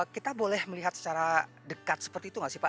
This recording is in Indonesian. kita boleh melihat secara dekat seperti itu nggak sih pak